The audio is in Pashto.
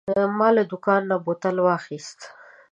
ما له دوکانه بوتان واخیستل.